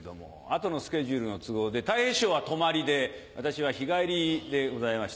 後のスケジュールの都合でたい平師匠は泊まりで私は日帰りでございました。